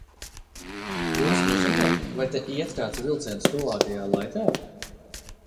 Jūs neziniet, vai te iet kāds vilciens tuvākajā laikā?